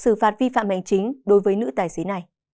xử phạt vi phạm hành chính đối với nữ tài xế này